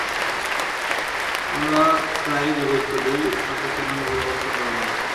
আমরা প্রায়ই জিজ্ঞেস করি, তাঁকে কেন নোবেল পুরস্কার দেওয়া হলো না।